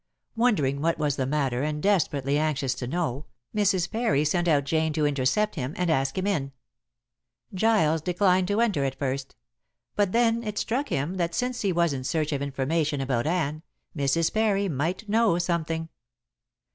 Wondering what was the matter and desperately anxious to know, Mrs. Parry sent out Jane to intercept him and ask him in. Giles declined to enter at first; but then it struck him that since he was in search of information about Anne, Mrs. Parry might know something.